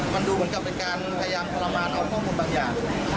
มันดูเหมือนกับเป็นการพยายามทรมานเอาข้อมูลบางอย่าง